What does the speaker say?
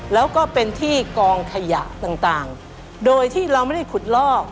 แล้วก็เป็นที่กองขยะต่างโดยที่เราไม่ได้ขุดลอก